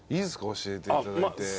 教えていただいて。